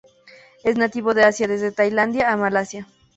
Es nativo de Asia desde Tailandia a Malasia.